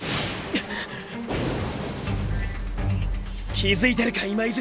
気づいてるか今泉！！